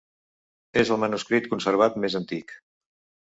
És el manuscrit conservat més antic.